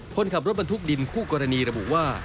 คนขับรถบรรทุกดินคู่กรณีระบุว่า